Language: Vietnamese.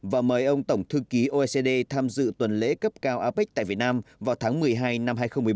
và mời ông tổng thư ký oecd tham dự tuần lễ cấp cao apec tại việt nam vào tháng một mươi hai năm hai nghìn một mươi bảy